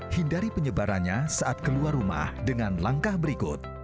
hindari penyebarannya saat keluar rumah dengan langkah berikut